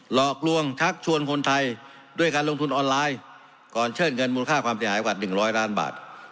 หลอกลวงชักชวนคนไทยด้วยการลงทุนออนไลน์ก่อนเชิดเงินมูลค่าความเสียหายกว่า๑๐๐ล้านบาท